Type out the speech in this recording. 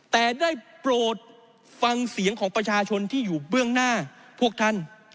แต่ได้โปรดฟังเสียงของประชาชนที่อยู่เบื้องหน้าพวกท่าน